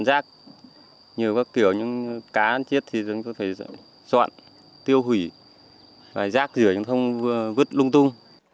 giao thù cho gia đình gia đình đã nhận thức được và có chuyển biến